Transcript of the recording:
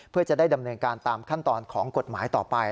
เพื่อจะได้ดำเนินการตามขั้นตอนของกฎหมายต่อไป